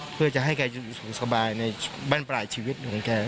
เพื่อจะให้แกอยู่สุขสบายในบ้านปลายชีวิตของแก